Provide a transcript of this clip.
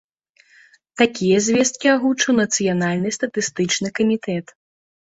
Такія звесткі агучыў нацыянальны статыстычны камітэт.